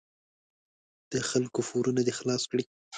د خلکو پورونه دې خلاص کړي.